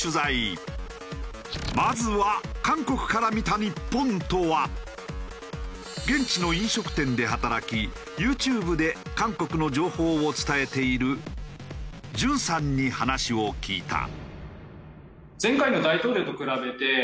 まずは現地の飲食店で働きＹｏｕＴｕｂｅで韓国の情報を伝えているＪＵＮさんに話を聞いた。